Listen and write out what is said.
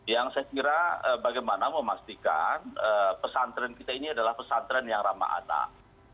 yang saya kira bagaimana memastikan pesantren kita ini adalah pesantren yang ramah anak